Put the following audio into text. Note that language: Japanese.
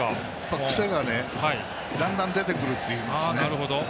癖がね、だんだん出てくるっていうんですね。